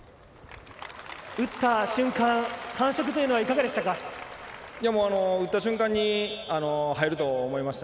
打った瞬間、感触というのはいかがだったですか？